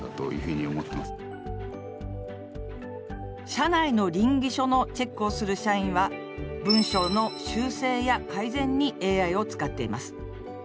社内のりん議書のチェックをする社員は文章の修正や改善にＡＩを使っています。